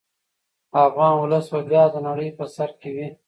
افغان ولس به بیا د نړۍ په سر کې وي.